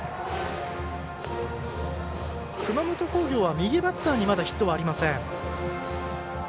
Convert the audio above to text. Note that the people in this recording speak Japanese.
熊本工業は右バッターにまだヒットはありません。